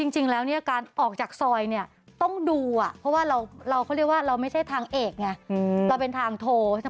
จริงแล้วการออกจากซอยต้องดูเพราะว่าเราไม่ใช่ทางเอกเราเป็นทางโทร